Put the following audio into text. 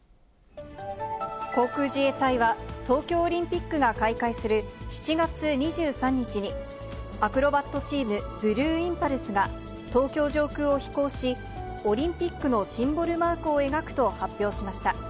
航空自衛隊は、東京オリンピックが開会する７月２３日に、アクロバットチーム、ブルーインパルスが東京上空を飛行し、オリンピックのシンボルマークを描くと発表しました。